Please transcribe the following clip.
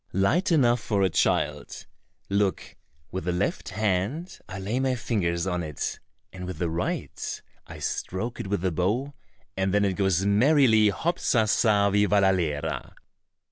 "Light enough for a child. Look, with the left hand I lay my fingers on it, and with the right I stroke it with the bow, and then it goes merrily, hop sa sa vivallalera!"